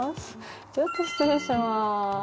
ちょっと失礼します。